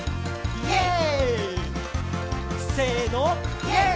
「イェーイ！」